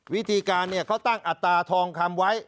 วิธีการเขาตั้งอัตราทองคำไว้